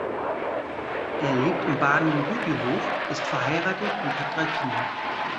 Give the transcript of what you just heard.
Er lebt in Baden-Rütihof, ist verheiratet und hat drei Kinder.